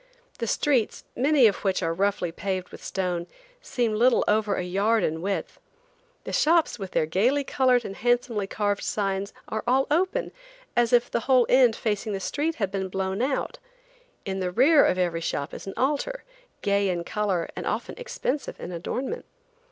The streets, many of which are roughly paved with stone, seem little over a yard in width. The shops, with their gayly colored and handsomely carved signs, are all open, as if the whole end facing the street had been blown out. In the rear of every shop is an altar, gay in color and often expensive in adornment.